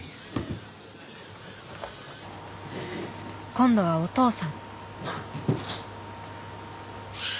今度はお父さん。